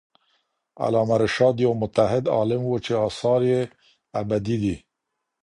علامه رشاد یو متعهد عالم وو چې اثاره یې ابدي دي.